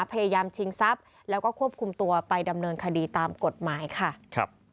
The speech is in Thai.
ชิงทรัพย์แล้วก็ควบคุมตัวไปดำเนินคดีตามกฎหมายค่ะครับ